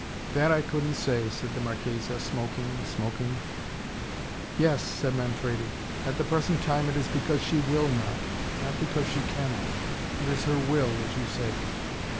"That I couldn't say," said the Marchesa, smoking, smoking. "Yes," said Manfredi. "At the present time it is because she WILL not not because she cannot. It is her will, as you say."